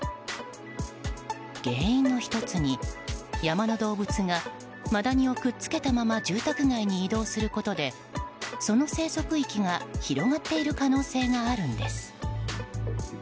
原因の１つに、山の動物がマダニをくっつけたまま住宅街に移動することでその生息域が広がっている可能性があるんです。